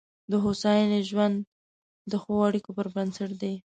د هوساینې ژوند د ښو اړیکو پر بنسټ دی.